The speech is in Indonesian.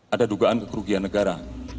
ada dugaan kerugian negara